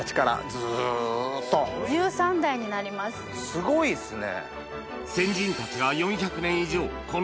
すごいですね。